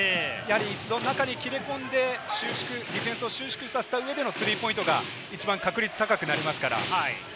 一度、中に切れ込んでディフェンスを収縮させた上でのスリーポイントが一番確率高くなりますから。